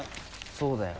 そうだよ。